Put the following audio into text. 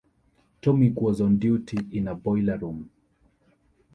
Tomich was on duty in a boiler room.